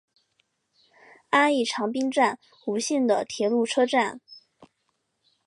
安艺长滨站吴线的铁路车站。